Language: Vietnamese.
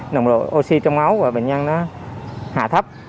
nồng độ oxy trong máu và bệnh nhân nó hạ thấp